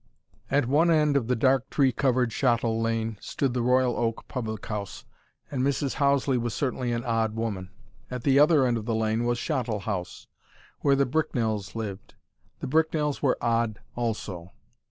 At one end of the dark tree covered Shottle Lane stood the "Royal Oak" public house; and Mrs. Houseley was certainly an odd woman. At the other end of the lane was Shottle House, where the Bricknells lived; the Bricknells were odd, also.